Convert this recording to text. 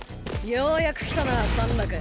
ようやく来たなサンラク。